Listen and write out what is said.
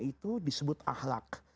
itu disebut ahlak